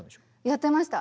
やってました。